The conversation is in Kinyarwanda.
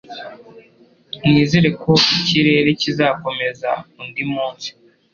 Nizere ko ikirere kizakomeza undi munsi